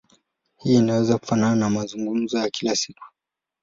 Hivyo inaweza kufanana na mazungumzo ya kila siku.